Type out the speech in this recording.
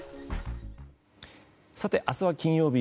さて、明日は金曜日。